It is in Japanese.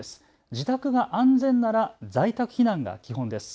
自宅が安全なら在宅避難が基本です。